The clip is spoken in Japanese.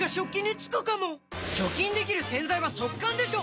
除菌できる洗剤は速乾でしょ！